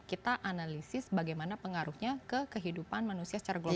kita analisis bagaimana pengaruhnya ke kehidupan manusia secara global